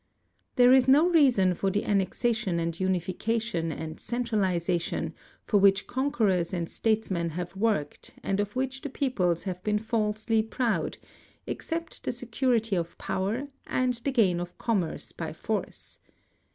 There is no reason for the annexation and unification and centralization for which conquerors and states men have worked and of which the peoples have been falsely proud except the security of power and the gain of commerce by force.